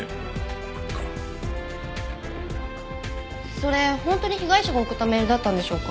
それ本当に被害者が送ったメールだったんでしょうか？